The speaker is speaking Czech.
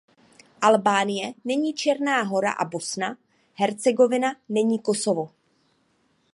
Albánie není Černá Hora a Bosna-Hercegovina není Kosovo.